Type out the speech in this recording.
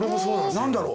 何だろう？